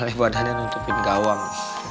kalian buat buat aja nuntupin gawang